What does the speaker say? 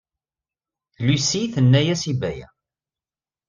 Lucy tenna-as i Baya.